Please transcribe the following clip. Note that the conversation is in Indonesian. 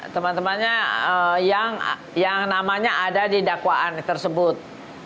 teman temannya yang namanya ada di dakwaan tersebut